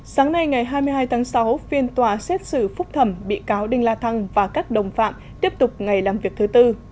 sáng nay ngày hai mươi hai tháng sáu phiên tòa xét xử phúc thẩm bị cáo đinh la thăng và các đồng phạm tiếp tục ngày làm việc thứ tư